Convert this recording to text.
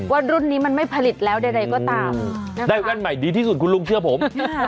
ว่ารุ่นนี้มันไม่ผลิตแล้วใดก็ตามได้แว่นใหม่ดีที่สุดคุณลุงเชื่อผม